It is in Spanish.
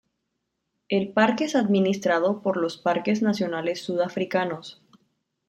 El parque es administrado por los Parques Nacionales Sudafricanos.